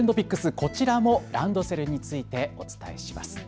こちらもランドセルについてお伝えします。